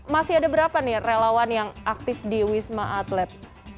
masih ada berapa nih relawan yang aktif di wisma atlet